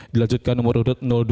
dilanjutkan nomor urut dua